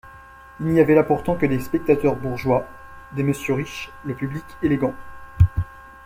Il n'y avait là pourtant que des spectateurs bourgeois, des messieurs riches, le public élégant.